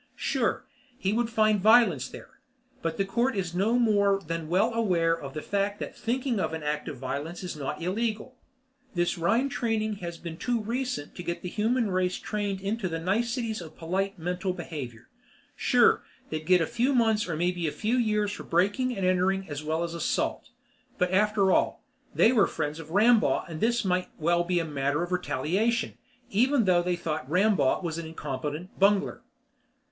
Sure, he would find violence there, but the Court is more than well aware of the fact that thinking of an act of violence is not illegal. This Rhine training has been too recent to get the human race trained into the niceties of polite mental behavior. Sure, they'd get a few months or maybe a few years for breaking and entering as well as assault, but after all, they were friends of Rambaugh and this might well be a matter of retaliation, even though they thought Rambaugh was an incompetent bungler.